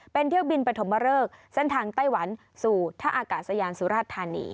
เป็นเที่ยวบินปฐมเริกเส้นทางไต้หวันสู่ท่าอากาศยานสุราชธานี